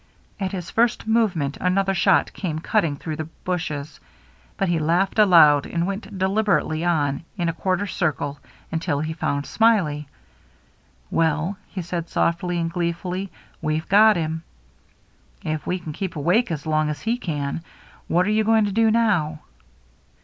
At his first movement another shot came cutting through the bushes ; but he laughed aloud, and went deliberately on in a quarter circle until he found Smiley* "Well," he said softly and gleefully, "we've got him." " If we can keep awake as long as he can. What are you going to do now